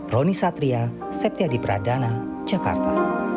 roni satria septiadi pradana jakarta